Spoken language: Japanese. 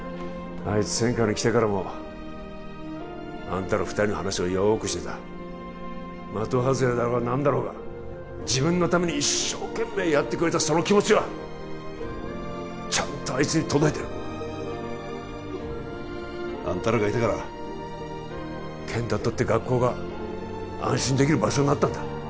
あいつ専科に来てからもあんたら二人の話をよーくしてた的外れだろうが何だろうが自分のために一生懸命やってくれたその気持ちはちゃんとあいつに届いてるあんたらがいたから健太にとって学校が安心できる場所になったんだ